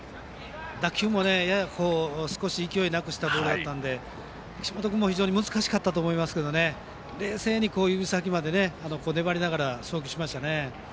打球も少し勢いがないボールだったので岸本君も難しかったと思いますが冷静に指先まで粘りながら勝負しましたね。